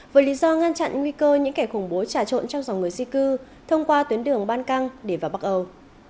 với lý do ngăn chặn nguy cơ những kẻ khủng bố trà trộn trong dòng người di cư thông qua tuyến đường ban căng để vào bắc âu